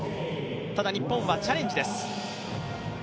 ただ、日本はチャレンジです。